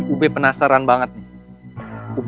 ibu aku penasaran banget nih